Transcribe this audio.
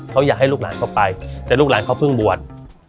เขาอยากให้ลูกหลานเขาไปแต่ลูกหลานเขาเพิ่งบวช